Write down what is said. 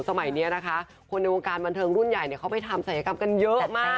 สมัยนี้นะคะคนในวงการบันเทิงรุ่นใหญ่เขาไปทำศัยกรรมกันเยอะมาก